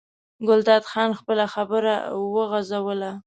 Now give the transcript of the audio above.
ګلداد خان خپله خبره وغځوله.